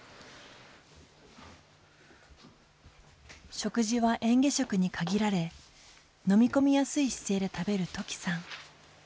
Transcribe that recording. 食事はえん下食に限られ飲み込みやすい姿勢で食べる土岐さん。